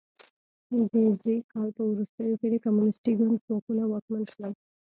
د ز کال په وروستیو کې د کمونیستي ګوند ځواکونه واکمن شول.